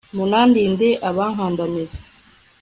munandinde abankandamiza'